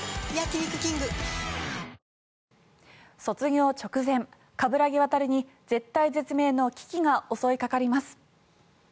卒業直前、冠城亘に絶体絶命の危機が襲いかかります。